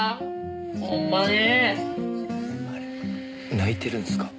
泣いてるんすか？